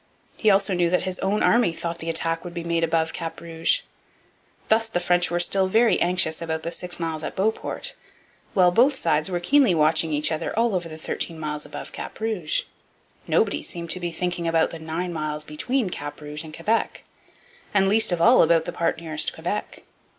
He also knew that his own army thought the attack would be made above Cap Rouge. Thus the French were still very anxious about the six miles at Beauport, while both sides were keenly watching each other all over the thirteen miles above Cap Rouge. Nobody seemed to be thinking about the nine miles between Cap Rouge and Quebec, and least of all about the part nearest Quebec.